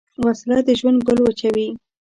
وسله د ژوند ګل وچوي